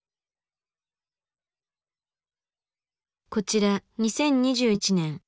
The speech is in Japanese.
こちら２０２１年。